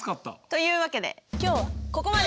というわけで今日はここまで！